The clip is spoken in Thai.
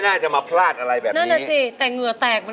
น้องน้ำส้ม